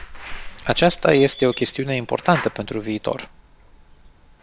Aceasta este o chestiune importantă pentru viitor.